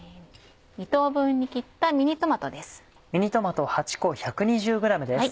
２等分に切ったミニトマトです。